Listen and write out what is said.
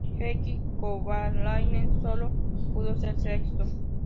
Heikki Kovalainen sólo pudo ser sexto.